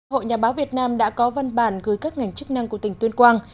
hội nhà báo việt nam đã có văn bản gửi các ngành chức năng của tỉnh tuyên quang